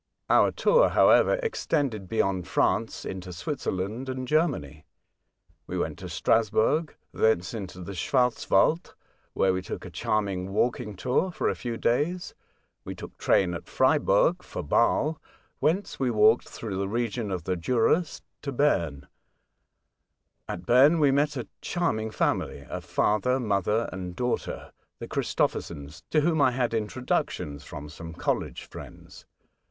Our tour, however, ex tended beyond France into Switzerland and Germany. We went to Strasburg, thence into the Schwarz Wald, where we took a charming walking tour for a few days. We took train at Freiburg for Bale, whence we walked through the region of the Juras to Berne. At Berne we met a charming family, a father, mother, and daughter, — the Christo phersons — to whom I had introductions from some college friends.